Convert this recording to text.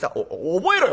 覚えろよ！